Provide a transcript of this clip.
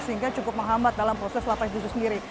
sehingga cukup menghambat dalam proses lapas itu sendiri